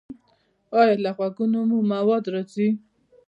ایا له غوږونو مو مواد راځي؟